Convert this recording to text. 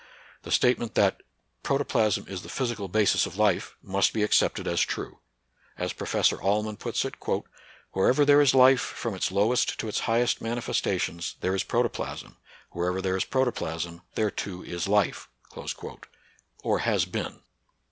The statement that " proto plasm is the physical basis of life " must be accepted as true. As Professor Allman puts it, "wherever there is life, from its lowest to its highest manifestations, there is protoplasm ; wherever there is protoplasm, there too is life," or has been.